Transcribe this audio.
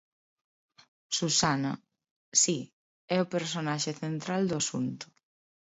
Susana: Si, é o personaxe central do asunto.